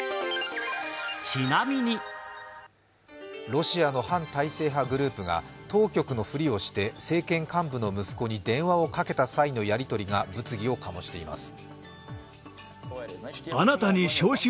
ロシアの反体制派グループが当局のふりをして政権幹部の息子に電話をかけた際のやり取りが物議を醸しています。